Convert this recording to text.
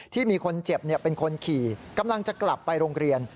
ที่มีคนเจ็บเป็นคนขี่กำลังจะกลับไปโรงเรียน